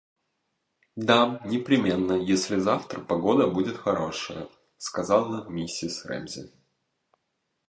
– Да, непременно, если завтра погода будет хорошая, – сказала миссис Рэмзи.